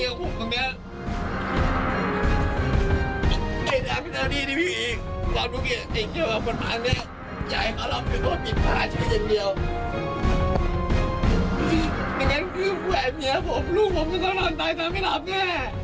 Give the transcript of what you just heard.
ไม่งั้นคือแหวนเมียผมลูกผมมันต้องนอนตายทำให้หลับแม่